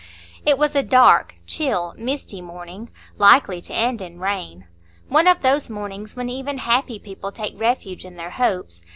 It was a dark, chill, misty morning, likely to end in rain,—one of those mornings when even happy people take refuge in their hopes.